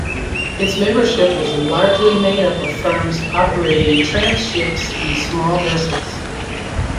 Its membership was largely made up of firms operating trampships and small vessels.